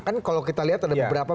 kan kalau kita lihat ada beberapa